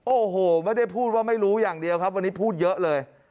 โอ้โหไม่ได้พูดว่าไม่รู้อย่างเดียวครับวันนี้พูดเยอะเลย